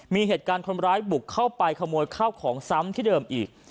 มีเหตุการณ์คนร้ายบุกเข้าไปขโมยข้าวของซ้ำที่เดิมอีก